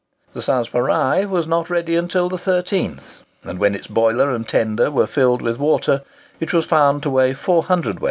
The "Sanspareil" was not ready until the 13th; and when its boiler and tender were filled with water, it was found to weigh 4 cwt.